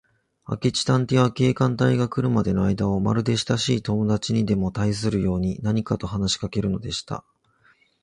明智探偵は、警官隊が来るまでのあいだを、まるでしたしい友だちにでもたいするように、何かと話しかけるのでした。